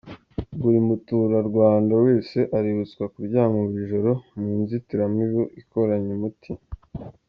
Buri muturandwanda wese aributswa kuryama buri joro mu nzitiramubu ikoranye umuti.